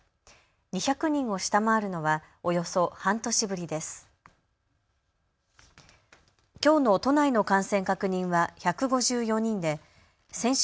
２００人を下回るのはおよそ半年ぶりです。